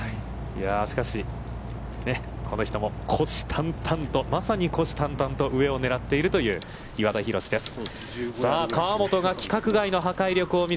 しかし、この人も虎視眈々とまさに虎視眈々と、上を狙っているという岩田寛です。